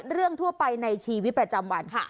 ทั่วไปในชีวิตประจำวันค่ะ